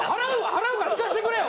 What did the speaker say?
払うから聞かせてくれよ